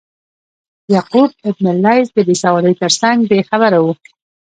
یعقوب بن لیث د بیسوادۍ ترڅنګ بې خبره و.